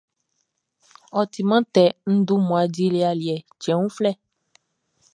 Ɔ timan tɛ, n dun mmua dili aliɛ cɛn uflɛ.